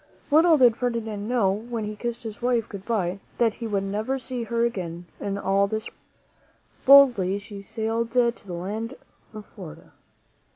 Little did Ferdinand know when he kissed his wife good by that he would never again see her in all this world. Boldly he sailed to the land of Florida.